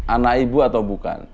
anak ibu atau bukan